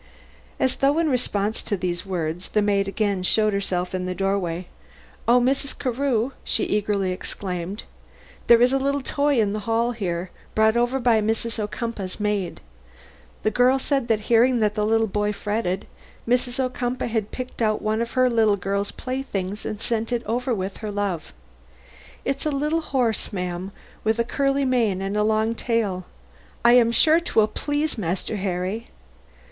As though in response to these words the maid again showed herself in the doorway. "Oh, Mrs. Carew," she eagerly exclaimed, "there's a little toy in the hall here, brought over by one of Mrs. Ocumpaugh's maids. The girl said that hearing that the little boy fretted, Mrs. Ocumpaugh had picked out one of her little girl's playthings and sent it over with her love. It's a little horse, ma'am, with curly mane and a long tail. I am sure 'twill just please Master Harry."